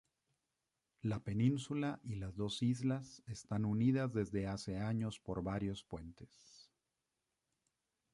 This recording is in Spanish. La península y las dos islas están unidas desde hace años por varios puentes.